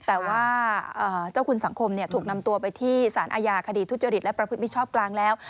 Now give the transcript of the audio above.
แต่ว่าเจ้าคุณสังคมถูกนำตัวไปที่สารอาญาคดีทุจริตและประพฤติมิชชอบกลางแล้ว